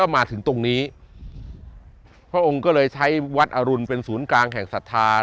มาถึงตรงนี้พระองค์ก็เลยใช้วัดอรุณเป็นศูนย์กลางแห่งศรัทธา